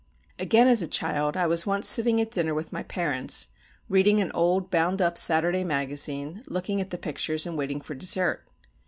Again, as a child, I was once sitting at dinner with my parents, reading an old bound up Saturday Magazine, looking at the pictures, and waiting for dessert.